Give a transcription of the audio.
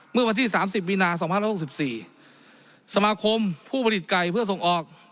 เมื่อวันที่สามสิบมีนาสองพันห้าร้อยสิบสี่สมาคมผู้ผลิตไกลเพื่อส่งออก